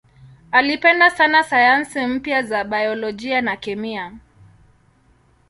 Alipenda sana sayansi mpya za biolojia na kemia.